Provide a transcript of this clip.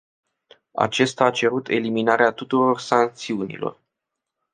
Acesta a cerut eliminarea tuturor sancțiunilor.